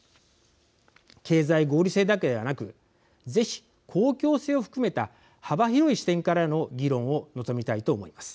経済合理性だけではなくぜひ公共性を含めた幅広い視点からの議論を望みたいと思います。